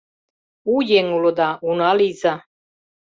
У еҥ улыда, уна лийза.